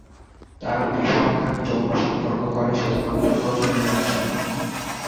তারা বিষমকামী যৌন সম্পর্ক করে শুধুমাত্র প্রজননের জন্য।